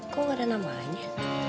kok gak ada namanya